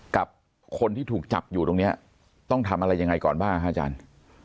กับคนที่ถูกจับอยู่ตรงนี้ต้องทำอะไรยังไงก่อนบ้างฮะอาจารย์